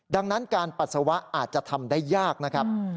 ดังนั้นการปัสสาวะอาจจะทำได้ยากนะครับ